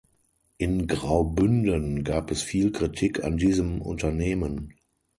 In Graubünden gab es viel Kritik an diesem Unternehmen.